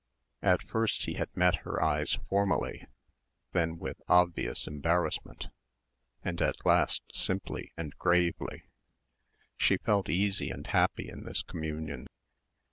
At first he had met her eyes formally, then with obvious embarrassment, and at last simply and gravely. She felt easy and happy in this communion.